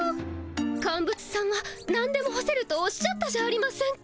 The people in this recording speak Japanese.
カンブツさんはなんでも干せるとおっしゃったじゃありませんか。